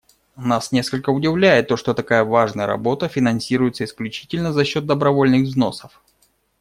Нас несколько удивляет то, что такая важная работа финансируется исключительно за счет добровольных взносов.